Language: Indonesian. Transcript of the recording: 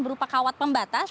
berupa kawat pembatas